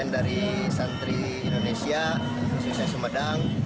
di indonesia di sumedang